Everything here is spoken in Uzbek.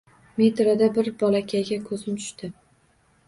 Metroda bir bolakayga koʻzim tushdi.